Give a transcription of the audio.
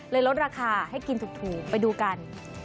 ลดราคาให้กินถูกไปดูกัน